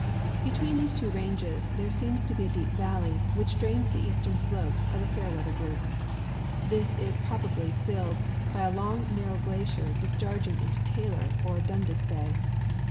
Between these two ranges there seems to be a deep valley, which drains the eastern slopes of the Fairweather group. This is probably filled by a long narrow glacier discharging into Taylor or Dundas bay.